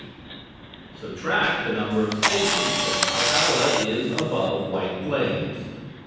Subtract the number of stations that Valhalla is above White Plains.